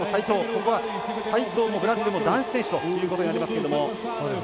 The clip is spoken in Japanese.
ここは齋藤もブラジルも男子選手ということになりますが。